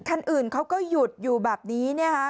คันอื่นเขาก็หยุดอยู่แบบนี้เนี่ยค่ะ